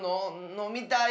のみたい。